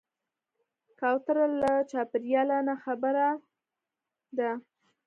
کوتره له چاپېریاله نه خبرداره ده.